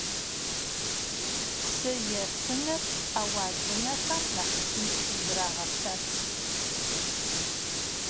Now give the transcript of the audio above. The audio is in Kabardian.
Psı yêsıç'er 'eua ts'ınexem nexh tınşşu zerağeş'ef.